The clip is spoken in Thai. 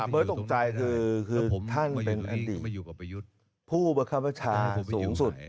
เบาท์ตกใจคือท่านเป็นอดิ่งผู้บรรควะชาสูงสุด